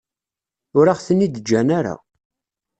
Ur aɣ-ten-id-ǧǧan ara.